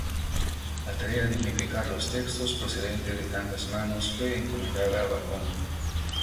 La tarea de unificar los textos procedentes de tantas manos fue encomendada a Bacon.